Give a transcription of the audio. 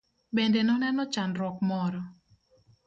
Bende noneno chandruok moro?